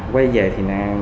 quay về thì nạn